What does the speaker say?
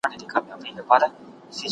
خو له کار څخه زده کړه باید هېره نشي.